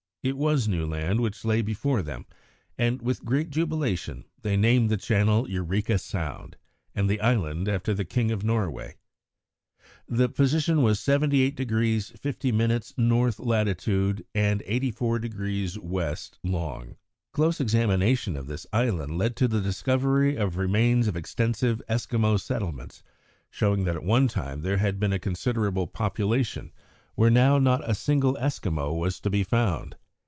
It was new land which lay before them, and with great jubilation they named the channel Eureka Sound and the island after the King of Norway. The position was 78° 50' N. lat. and 84° W. long. Close examination of this island led to the discovery of remains of extensive Eskimo settlements, showing that at one time there had been a considerable population where now not a single Eskimo was to be found.